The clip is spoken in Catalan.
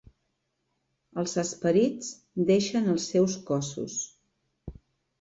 Els esperits deixen els seus cossos.